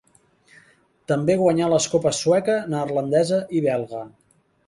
També guanyà les copes sueca, neerlandesa i belga.